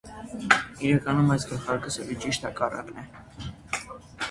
Իրականում այս գլխարկը սևի ճիշտ հակառակն է։